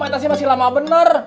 aitanya masih lama bener